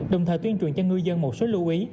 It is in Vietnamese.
đồng thời tuyên truyền cho ngư dân một số lưu ý